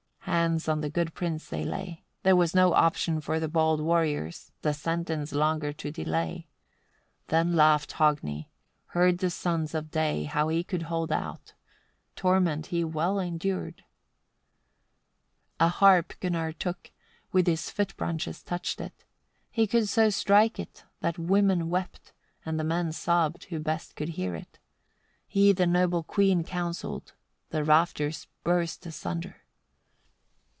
Hands on the good prince they laid. Then was no option for the bold warriors, the sentence longer to delay. Then laughed Hogni; heard the sons of day how he could hold out: torment he well endured! 62. A harp Gunnar took, with his foot branches touched it. He could so strike it, that women wept, and the men sobbed, who best could hear it. He the noble queen counselled: the rafters burst asunder.